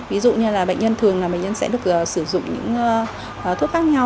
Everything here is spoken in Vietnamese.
ví dụ như là bệnh nhân thường là bệnh nhân sẽ được sử dụng những thuốc khác nhau